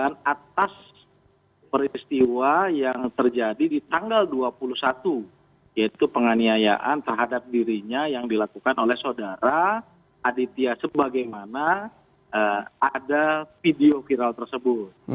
dan atas peristiwa yang terjadi di tanggal dua puluh satu yaitu penganiayaan terhadap dirinya yang dilakukan oleh saudara aditya sebagaimana ada video viral tersebut